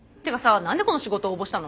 何でこの仕事応募したの？